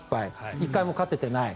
１回も勝てていない。